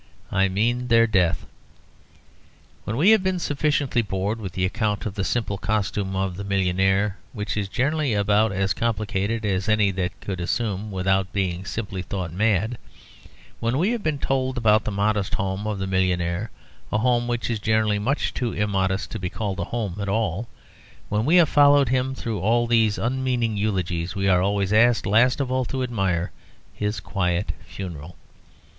I mean their death. When we have been sufficiently bored with the account of the simple costume of the millionaire, which is generally about as complicated as any that he could assume without being simply thought mad; when we have been told about the modest home of the millionaire, a home which is generally much too immodest to be called a home at all; when we have followed him through all these unmeaning eulogies, we are always asked last of all to admire his quiet funeral.